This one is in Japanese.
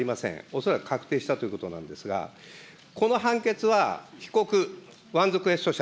恐らく確定したということなんですが、この判決は被告、ワンズクエスト社、